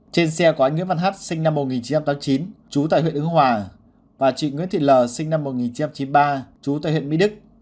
trên xe của anh nguyễn văn hát sinh năm một nghìn chín trăm tám mươi chín trú tại huyện ứng hòa và chị nguyễn thị l sinh năm một nghìn chín trăm chín mươi ba chú tại huyện mỹ đức